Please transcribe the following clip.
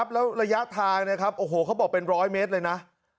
ปั๊บแล้วระยะทางเนี่ยครับโอ้โหเขาบอกเป็นร้อยเมตรเลยนะ